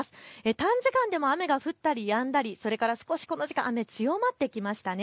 短時間でも雨が降ったりやんだり、それから少しこの時間、雨が強まってきました。